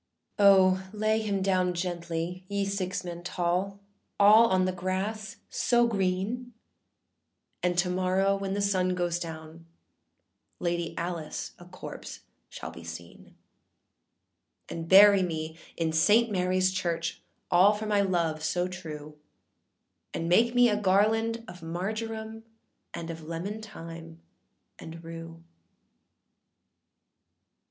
â âO, lay him down gently, ye six men tall, All on the grass so green, And to morrow when the sun goes down, Lady Alice a corpse shall be seen. âAnd bury me in Saint Maryâs Church, All for my love so true; And make me a garland of marjoram, And of lemon thyme, and rue.